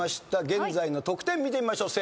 現在の得点見てみましょう。